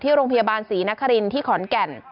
โรงพยาบาลศรีนครินที่ขอนแก่น